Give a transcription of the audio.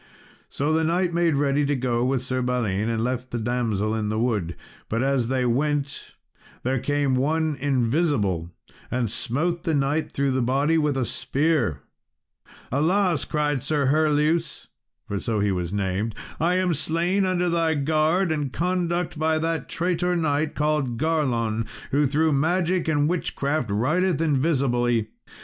So the knight made ready to go with Sir Balin, and left the damsel in the wood. But as they went, there came one invisible, and smote the knight through the body with a spear. "Alas," cried Sir Herleus (for so was he named), "I am slain under thy guard and conduct, by that traitor knight called Garlon, who through magic and witchcraft rideth invisibly.